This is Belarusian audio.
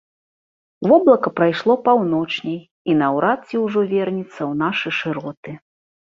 Воблака прайшло паўночней, і наўрад ці ўжо вернецца ў нашы шыроты.